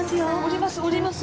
降ります